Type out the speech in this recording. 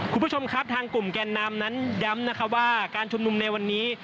คุณผู้ชมครับทางกลุ่มแกนนำนั้นย้ำนะครับว่าการชุมนุมในวันนี้